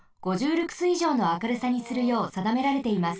ルクスいじょうの明るさにするようさだめられています。